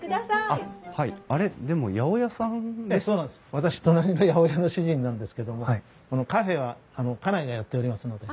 私隣の八百屋の主人なんですけどもこのカフェは家内がやっておりますので。